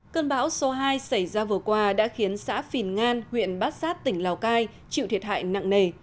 cơn bão số hai xảy ra vừa qua đã khiến xã phìn ngan huyện bát sát tỉnh lào cai chịu thiệt hại nặng nề